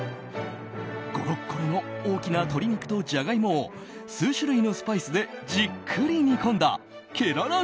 ゴロッゴロの大きな鶏肉とジャガイモを数種類のスパイスでじっくり煮込んだケララ